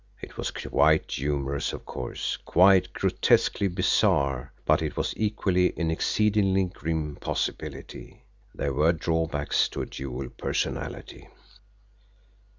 It was quite humourous, of course, quite grotesquely bizarre but it was equally an exceedingly grim possibility! There were drawbacks to a dual personality!